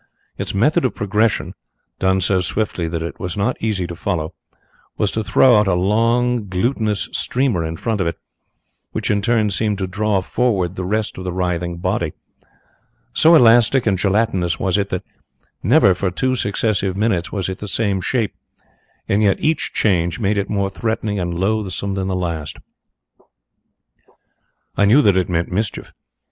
Its method of progression done so swiftly that it was not easy to follow was to throw out a long, glutinous streamer in front of it, which in turn seemed to draw forward the rest of the writhing body. So elastic and gelatinous was it that never for two successive minutes was it the same shape, and yet each change made it more threatening and loathsome than the last. "I knew that it meant mischief.